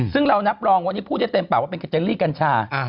ซึ่งเรานับรองวันนี้พูดได้เต็มปากว่าเป็นคาเจลลี่กัญชา